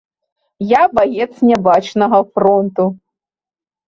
Я баец нябачнага фронту.